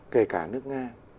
kể cả nước nga